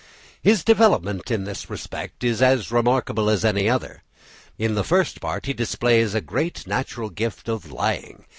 His development in this respect is as remarkable as in any other. In the First Part he displays a great natural gift of lying.